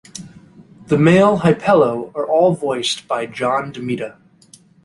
The male Hypello are all voiced by John DeMita.